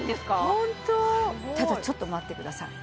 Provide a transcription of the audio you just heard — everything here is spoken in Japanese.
ホントただちょっと待ってください